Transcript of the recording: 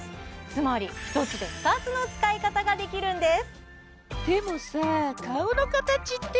つまり１つで２つの使い方ができるんです